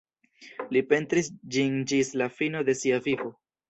Li pentris ĝin ĝis la fino de sia vivo.